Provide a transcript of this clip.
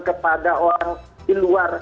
kepada orang di luar